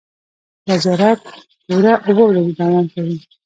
دا زیارت پوره اوه ورځې دوام کوي.